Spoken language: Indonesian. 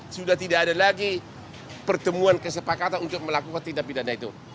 sudah tidak ada lagi pertemuan kesepakatan untuk melakukan tindak pidana itu